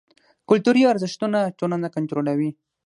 کلتوري ارزښتونه ټولنه کنټرولوي.